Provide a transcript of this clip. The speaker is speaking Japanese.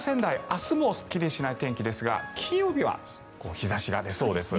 明日もすっきりしない天気ですが金曜日は日差しが出そうです。